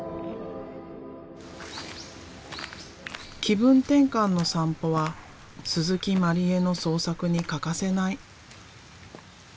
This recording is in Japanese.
気分転換の散歩は万里絵の創作に欠かせない。